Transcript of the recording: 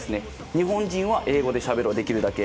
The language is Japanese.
日本人は英語でしゃべろうできるだけ。